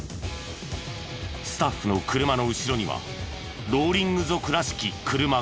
スタッフの車の後ろにはローリング族らしき車が。